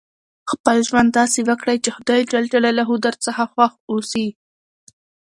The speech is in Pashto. خپل ژوند داسي وکړئ، چي خدای جل جلاله درڅخه خوښ اوسي.